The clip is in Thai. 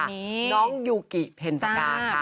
น้องยูกิเพ็ญจนาค่ะ